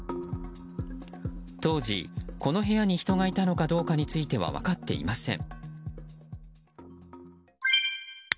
当時、この部屋に人がいたのかどうかについては分かっていません。